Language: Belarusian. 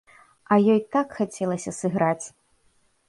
А ёй так хацелася сыграць.